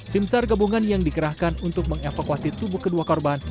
tim sar gabungan yang dikerahkan untuk mengevakuasi tubuh kedua korban